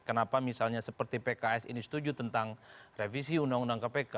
kenapa misalnya seperti pks ini setuju tentang revisi undang undang kpk